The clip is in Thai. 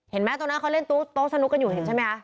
เห็นมั้ยตรงนั้นเขาเล่นโต๊ะสนุกกันอยู่เห็นมั้ย